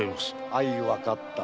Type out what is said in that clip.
相わかった。